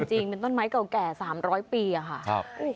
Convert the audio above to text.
จริงเป็นต้นไม้เก่าแก่๓๐๐ปีค่ะ